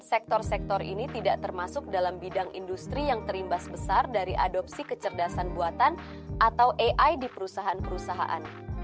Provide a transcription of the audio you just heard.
sektor sektor ini tidak termasuk dalam bidang industri yang terimbas besar dari adopsi kecerdasan buatan atau ai di perusahaan perusahaan